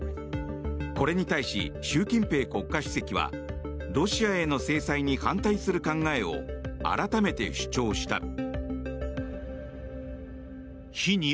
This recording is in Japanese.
これに対し習近平国家主席はロシアへの制裁に反対する考えを改めて主張した。